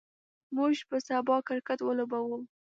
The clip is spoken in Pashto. موږ به سبا کرکټ ولوبو.